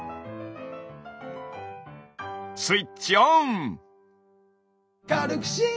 スイッチオン！